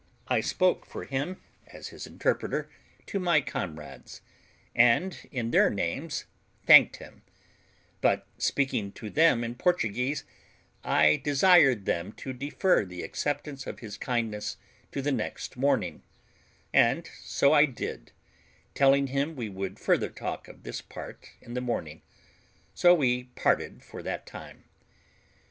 I spoke for him, as his interpreter, to my comrades, and in their names thanked him; but, speaking to them in Portuguese, I desired them to defer the acceptance of his kindness to the next morning; and so I did, telling him we would further talk of this part in the morning; so we parted for that time.